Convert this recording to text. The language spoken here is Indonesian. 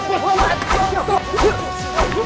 setelah kamu prayer